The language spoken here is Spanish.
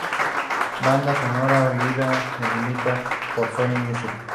Banda sonora original editada por Sony Music.